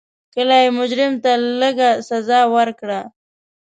کله یې مجرم ته لږه جزا ورکړه.